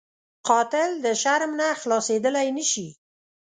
قاتل د شرم نه خلاصېدلی نه شي